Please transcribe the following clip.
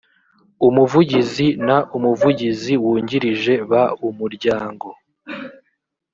umuvugizi n umuvugizi wungirije b umuryango